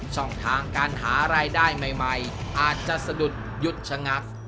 ช่องทางการหารายได้ใหม่อาจจะสะดุดหยุดชะงัก